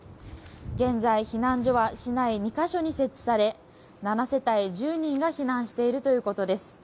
現在、避難所は市内２か所に設置され７世帯１０人が避難しているということです。